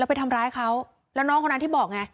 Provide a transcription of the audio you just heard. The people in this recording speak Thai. ไปทำร้ายเขาแล้วน้องคนนั้นที่บอกไง